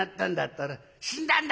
ったら『死んだんだ』